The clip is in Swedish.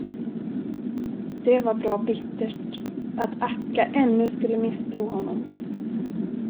Det var bra bittert, att Akka ännu skulle misstro honom.